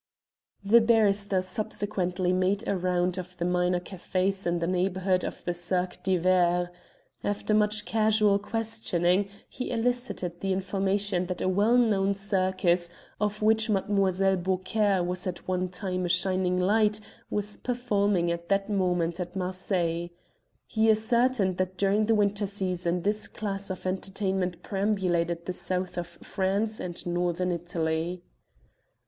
The barrister subsequently made a round of the minor cafés in the neighbourhood of the Cirque d'Hiver. After much casual questioning, he elicited the information that a well known circus, of which Mlle. Beaucaire was at one time a shining light, was performing at that moment at Marseilles. He ascertained that during the winter season this class of entertainment perambulated the South of France and Northern Italy.